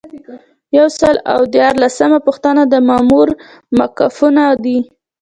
یو سل او دیارلسمه پوښتنه د مامور موقفونه دي.